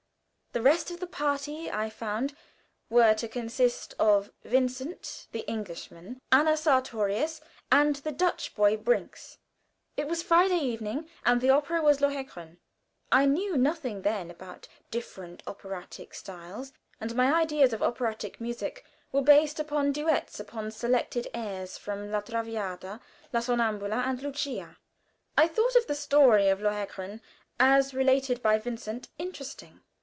The rest of the party, I found, were to consist of Vincent, the Englishman, Anna Sartorius, and the Dutch boy, Brinks. It was Friday evening, and the opera was "Lohengrin." I knew nothing, then, about different operatic styles, and my ideas of operatic music were based upon duets upon selected airs from "La Traviata," "La Somnambula," and "Lucia." I thought the story of "Lohengrin," as related by Vincent, interesting.